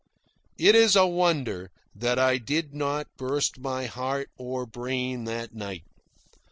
It is a wonder that I did not burst my heart or brain that night.